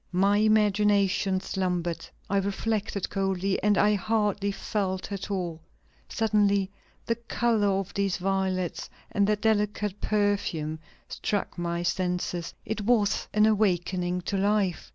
My imagination slumbered, I reflected coldly, and I hardly felt at all; suddenly the color of these violets and their delicate perfume struck my senses; it was an awakening to life....